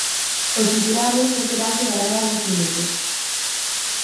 Os incurables só terán que agardar uns minutos.